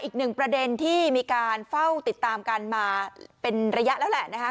อีกหนึ่งประเด็นที่มีการเฝ้าติดตามกันมาเป็นระยะแล้วแหละนะคะ